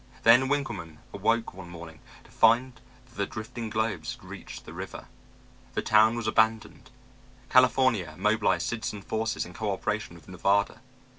Then Winkleman awoke one morning to find that the drifting globes had reached the river. The town was abandoned. California mobilized citizen forces in cooperation with Nevada.